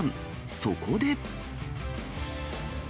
そこで。